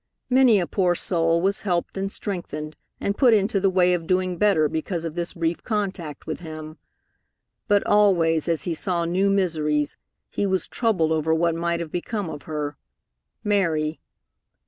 Many a poor soul was helped and strengthened and put into the way of doing better because of this brief contact with him. But always as he saw new miseries he was troubled over what might have become of her "Mary."